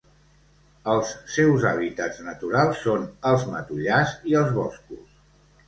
Els seus hàbitats naturals són els matollars i els boscos.